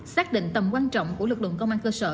xác định tầm quan trọng của lực lượng công an cơ sở